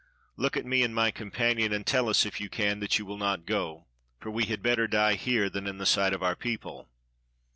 Look at me and my companion, and tell us, if you can, that you will not go, for we had better die here than in the sight of our people."